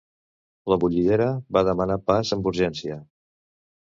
la bullidera va demanar pas amb urgència